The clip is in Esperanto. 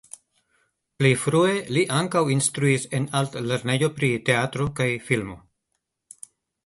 Pli frue li ankaŭ instruis en Altlernejo pri Teatro kaj Filmo.